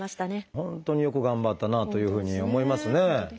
本当によく頑張ったなというふうに思いますね。